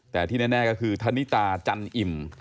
แต่ที่แน่ก็คือธนิตาจันอิ่ม